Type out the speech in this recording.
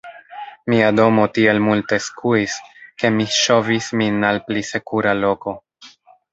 Mia domo tiel multe skuis, ke mi ŝovis min al pli sekura loko.